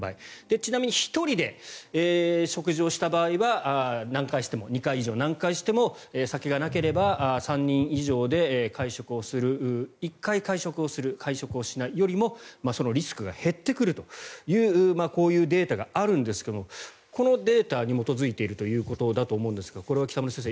ちなみに１人で食事をした場合は何回しても、２回以上しても酒がなければ３人以上で会食をする１回会食をする会食をしないよりもそのリスクが減ってくるというこういうデータがあるんですけどこのデータに基づいているということだと思いますがこれは北村先生